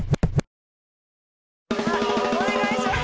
お願いします。